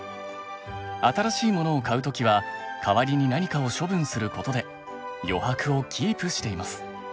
新しいものを買う時は代わりに何かを処分することで余白をキープしています。